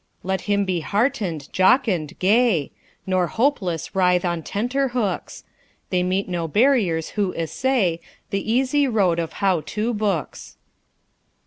Let him be heartened, jocund, gay, Nor hopeless writhe on tenter hooks, They meet no barriers who essay The easy road of "How To" books!